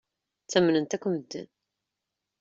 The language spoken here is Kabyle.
Ttamnen-t akk medden.